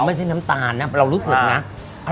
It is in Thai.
ไม่ใช่น้ำตาลนะเรารู้สึกนะ